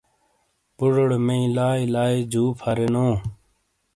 بوٹوڑے مئی لائی لائی جو پھا رے نو